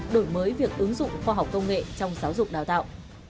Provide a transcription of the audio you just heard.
đổi mới việc ứng dụng khoa học công nghệ trong giáo dục đào tạo